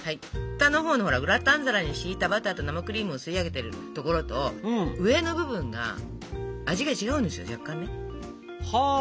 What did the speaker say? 下のほうのほらグラタン皿に敷いたバターと生クリームを吸い上げてる所と上の部分が味が違うんですよ若干ね。は。